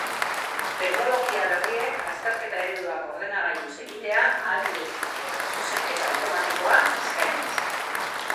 Teknologia berriek azterketa ereduak ordenagailuz egitea ahalbidetu dute, zuzenketa automatikoa eskainiz.